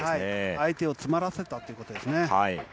相手を詰まらせたということはい。